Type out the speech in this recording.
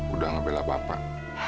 udah ngebela bapak